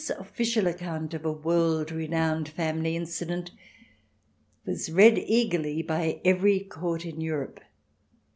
xvii official account of a world renowned family incident was read eagerly by every Court in Europe.